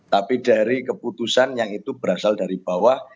tapi dari keputusan yang itu berasal dari bawah